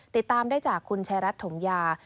ติดตามได้จากคุณชายรัฐถมยา